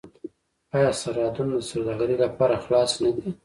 آیا سرحدونه د سوداګرۍ لپاره خلاص نه دي؟